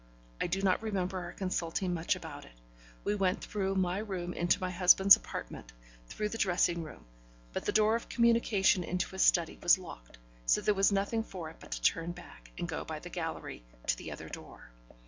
I do not remember our consulting much about it; we went through my room into my husband's apartment through the dressing room, but the door of communication into his study was locked, so there was nothing for it but to turn back and go by the gallery to the other door.